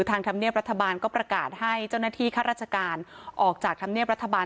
ธรรมเนียบรัฐบาลก็ประกาศให้เจ้าหน้าที่ข้าราชการออกจากธรรมเนียบรัฐบาล